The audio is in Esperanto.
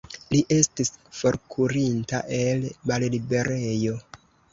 Li estis forkurinta el malliberejo.